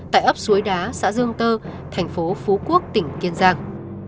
tại ấp suối đá xã dương tơ thành phố phú quốc tỉnh kiên giang